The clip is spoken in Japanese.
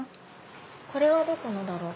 これはどこのだろう？